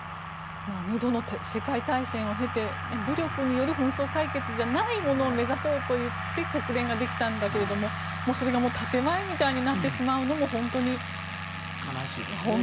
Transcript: ２度の世界大戦を経て武力による紛争解決ではないものを目指そうといって国連ができたんだけどもそれがもう建前みたいになってしまうのも本当に悲しいですね。